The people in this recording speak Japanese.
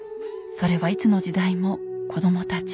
それはいつの時代も子どもたち